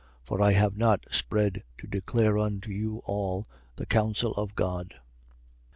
20:27. For I have not spread to declare unto you all, the counsel of God. 20:28.